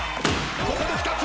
ここで２つ！